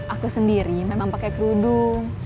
aku sendiri memang pakai kerudung